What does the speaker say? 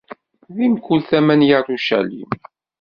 Di mkul tama n Yarucalim.